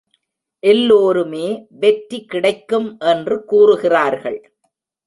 எல்லோருமே வெற்றி கிடைக்கும் என்று கூறுகிறார்கள்.